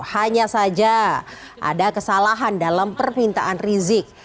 hanya saja ada kesalahan dalam permintaan rizik